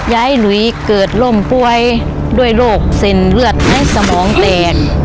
ยายหลุยเกิดล่มป่วยด้วยโรคเส้นเลือดในสมองแตก